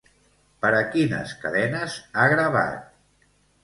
Per a quines cadenes ha gravat?